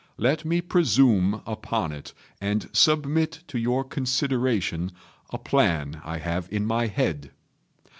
Let me presume upon it, and submit to your consideration a plan I have in my head.